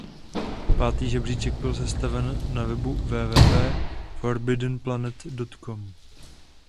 Pátý žebříček byl sestaven na webu www.forbiddenplanet.com.